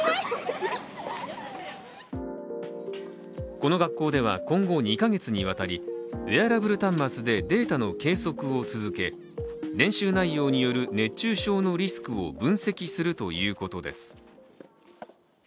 この学校では今後、２か月にわたり、ウェアラブル端末でデータの計測を続け練習内容による熱中症のリスクを分析するということです。